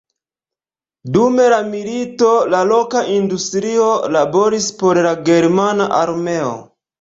Dum la milito, la loka industrio laboris por la germana armeo.